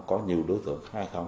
có nhiều đối tượng hay không